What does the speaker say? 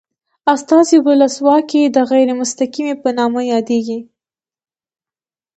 استازي ولسواکي د غیر مستقیمې په نامه یادیږي.